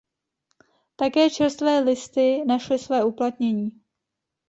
Také čerstvé listy našly své uplatnění.